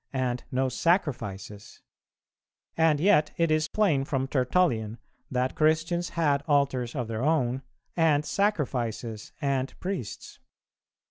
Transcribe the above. and "no sacrifices;" and yet it is plain from Tertullian that Christians had altars of their own, and sacrifices and priests.